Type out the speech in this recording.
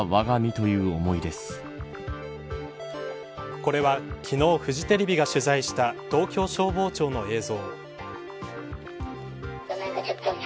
これは昨日、フジテレビが取材した東京消防庁の映像。